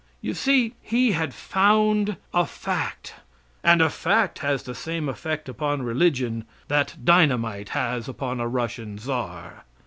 You see he had found a fact, and a fact has the same effect upon religion that dynamite has upon a Russian czar.